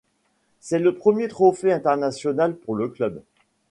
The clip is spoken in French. C'est le premier trophée international pour le club.